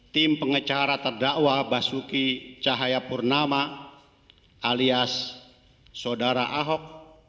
tim pengecara terdakwa basuki cahaya purnama alias saudara ahok